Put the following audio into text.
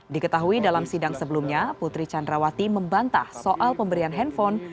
diketahui dalam sidang sebelumnya putri candrawati membantah soal pemberian handphone